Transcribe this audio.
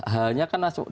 hanya kan masuk